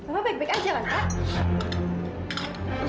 bapak baik baik aja lah pak